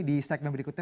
di segmen berikutnya